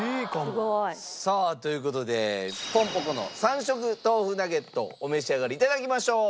すごい。さあという事でぽんぽ娘の３色豆腐ナゲットお召し上がりいただきましょう。